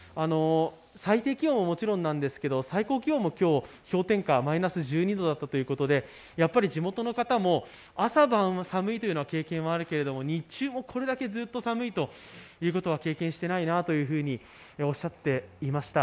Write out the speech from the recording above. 最低気温ももちろんですが、最高気温も氷点下１２度ということで、やはり地元の方も朝晩寒いというのは経験があるけれども、日中もこれだけずっと寒いということは経験していないなというふうにおっしゃっていました。